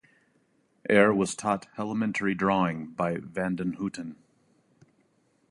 Eyre was taught elementary drawing by van den Houten.